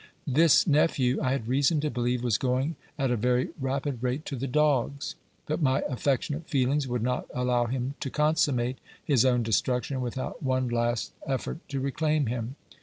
This nephew, I had reason to believe, was going at a very rapid rate to the dogs; but my affectionate feelings would not allow him to consummate his own destruction without one last effort to reclaim him.